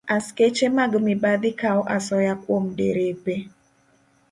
Askeche mag mibadhi kawo asoya kuom derepe